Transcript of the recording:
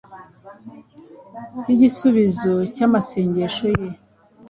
Nk’igisubizo cy’amasengesho ye,